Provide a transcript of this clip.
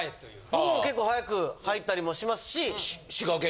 僕も結構早く入ったりもしますし。